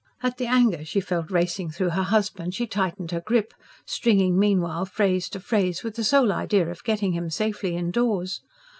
At the anger she felt racing through her husband she tightened her grip, stringing meanwhile phrase to phrase with the sole idea of getting him safely indoors.